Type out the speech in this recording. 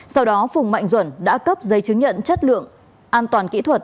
sau đó phùng mạnh duẩn đã cấp giấy chứng nhận chất lượng an toàn kỹ thuật